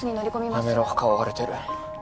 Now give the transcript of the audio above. やめろ顔割れてる